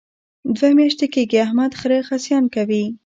دوه میاشتې کېږي احمد خره خصیان کوي.